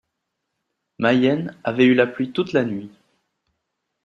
Mayenne avait eu la pluie toute la nuit.